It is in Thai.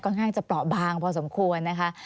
ข้างจะเปราะบางพอสมควรนะคะ